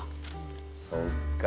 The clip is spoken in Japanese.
そっか。